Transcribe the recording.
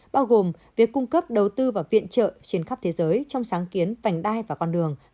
bao gồm việc cung cấp đầu tư và viện trợ trên khắp thế giới trong sáng kiến vành đai và con đường